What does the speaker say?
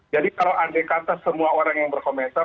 jadi kalau andai kata semua orang yang berkomentar